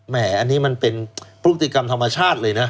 อันนี้มันเป็นพฤติกรรมธรรมชาติเลยนะ